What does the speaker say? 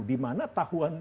di mana tahuan